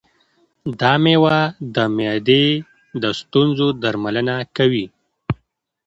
دا مېوه د معدې د ستونزو درملنه کوي.